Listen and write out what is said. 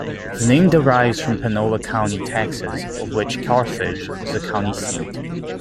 The name derives from Panola County, Texas, of which Carthage is the county seat.